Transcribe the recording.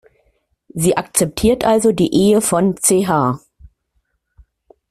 Sie akzeptiert also die Ehe von Ch.